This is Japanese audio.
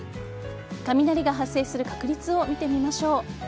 雷が発生する確率を見てみましょう。